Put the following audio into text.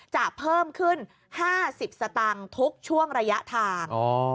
จะเพิ่มขึ้น๕๐สตางค์ทุกช่วงระยะทาง